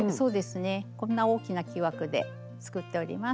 こんな大きな木枠で作っております。